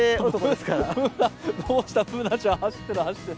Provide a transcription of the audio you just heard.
どうしたＢｏｏｎａちゃん、走ってる、走ってる。